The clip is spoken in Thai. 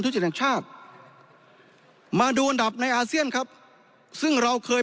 จิตแห่งชาติมาดูอันดับในอาเซียนครับซึ่งเราเคย